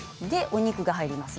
お肉が入ります。